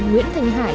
nguyễn thành hải